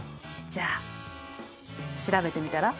じゃあ調べてみたら？